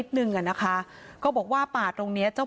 พระเจ้าที่อยู่ในเมืองของพระเจ้า